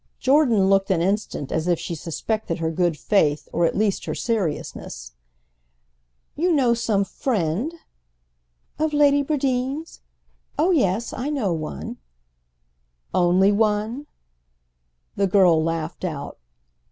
Jordan looked an instant as if she suspected her good faith, or at least her seriousness. "You know some friend—?" "Of Lady Bradeen's? Oh yes—I know one." "Only one?" The girl laughed out.